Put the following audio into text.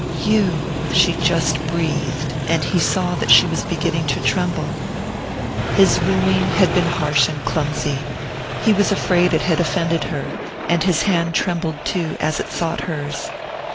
"You!" she just breathed; and he saw that she was beginning to tremble. His wooing had been harsh and clumsy he was afraid it had offended her, and his hand trembled too as it sought hers.